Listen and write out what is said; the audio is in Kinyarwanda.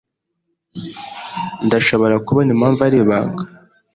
Ndashobora kubona impamvu ari ibanga.